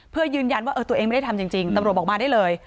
เพื่อยืนยันว่าตัวเองไม่ได้ทำจริงตำรวจบอกมาได้เลย